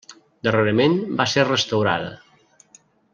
Darrerament va ser restaurada.